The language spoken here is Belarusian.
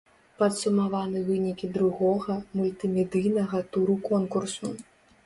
Падсумаваны вынікі другога, мультымедыйнага туру конкурсу.